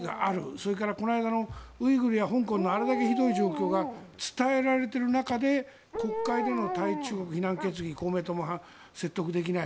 それからこの間のウイグルや香港のあれだけひどい状況が伝えられている中で国会での対中国非難決議公明党も説得できない。